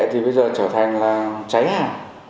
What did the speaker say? thì bây giờ trở thành là cháy hàng